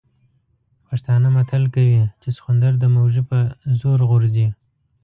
پښتانه متل کوي چې سخوندر د مېږوي په زور غورځي.